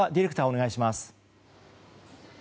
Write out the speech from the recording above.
お願いします。